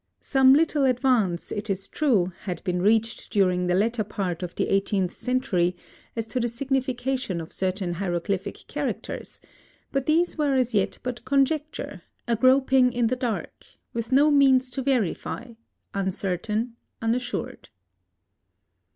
Some little advance, it is true, had been reached during the latter part of the eighteenth century, as to the signification of certain hieroglyphic characters, but these were as yet but conjecture; a groping in the dark, with no means to verify, uncertain, unassured.